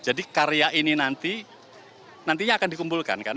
jadi karya ini nanti nantinya akan dikumpulkan kan